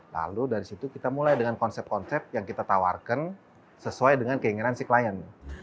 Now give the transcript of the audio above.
lalu dari situ kita mulai dengan konsep konsep yang kita tawarkan sesuai dengan keinginan si klien